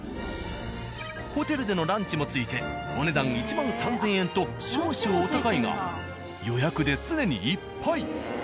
ホテルでのランチも付いてお値段１万３、０００円と少々お高いが予約で常にいっぱい。